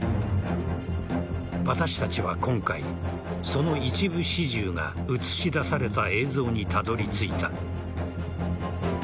私たちは今回その一部始終が映し出された映像にたどり着いた。